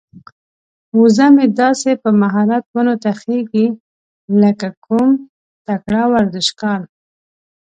وزه مې داسې په مهارت ونو ته خيږي لکه کوم تکړه ورزشکار.